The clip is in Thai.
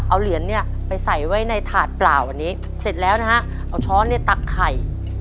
เอาช้อนตักไข่